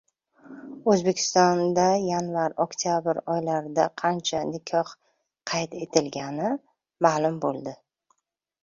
O‘zbekistonda yanvar—oktabr oylarida qancha nikoh qayd etilgani ma’lum bo‘ldi